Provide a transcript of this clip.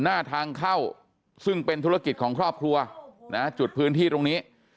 หน้าทางเข้าซึ่งเป็นธุรกิจของครอบครัวนะจุดพื้นที่ตรงนี้